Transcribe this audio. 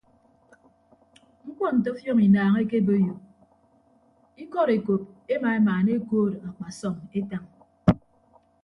Mkpọ nte ọfiọñ inaañ ekeboiyo ikọd ekop ema emaana ekood akpasọm etañ.